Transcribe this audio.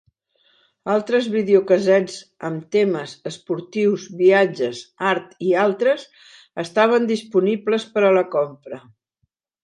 Altres videocassets amb temes esportius, viatges, art i altres, estaven disponibles per a la compra.